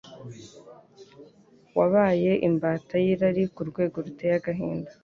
wabaye imbata y’irari ku rwego ruteye agahinda.